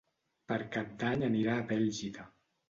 Per Cap d'Any anirà a Bèlgida.